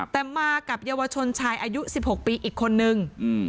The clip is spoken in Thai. แต่มากับเยาวชนชายอายุ๑๖ปีอีกคนนึง